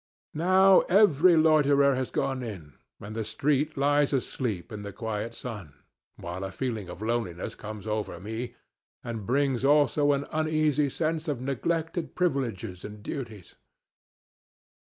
Now every loiterer has gone in and the street lies asleep in the quiet sun, while a feeling of loneliness comes over me, and brings also an uneasy sense of neglected privileges and duties.